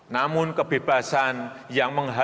namun kebebasan yang membutuhkan